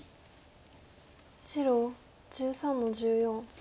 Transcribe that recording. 白１３の十四。